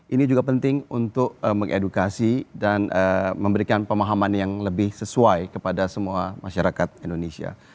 ini juga penting untuk mengedukasi dan memberikan pemahaman yang lebih sesuai kepada semua masyarakat indonesia